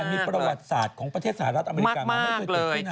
แต่มีประวัติศาสตร์ของประเทศสหรัฐอเมริกามากเลย